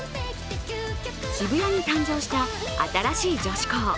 渋谷に誕生した新しい女子校。